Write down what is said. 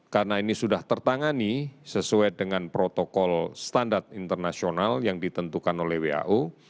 karena ini sudah tertangani sesuai dengan protokol standar internasional yang ditentukan oleh wau